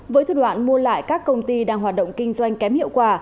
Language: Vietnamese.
với thủ đoạn mua lại các công ty đang hoạt động kinh doanh kém hiệu quả